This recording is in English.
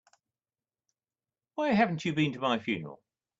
Why haven't you been to my funeral?